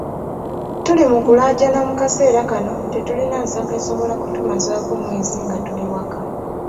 Tuli mu kulaajana mu kaseera kano tetuyina nsako esobola okutumazaako omwezi nga tuli waka.